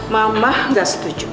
mama nggak setuju